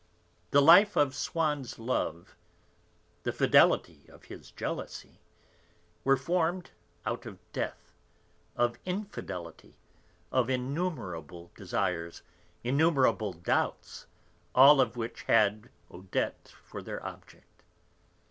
The life of Swann's love, the fidelity of his jealousy, were formed out of death, of infidelity, of innumerable desires, innumerable doubts, all of which had Odette for their object.